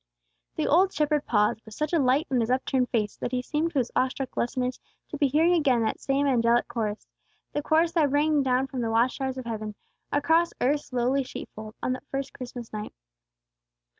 The old shepherd paused, with such a light on his upturned face that he seemed to his awestruck listeners to be hearing again that same angelic chorus, the chorus that rang down from the watch towers of heaven, across earth's lowly sheep fold, on that first Christmas night.